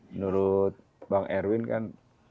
menurut bang erwin kan